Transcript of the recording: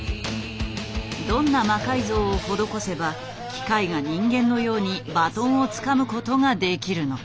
どんな魔改造を施せば機械が人間のようにバトンをつかむことができるのか。